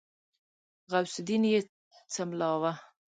غوث الدين يې څملاوه.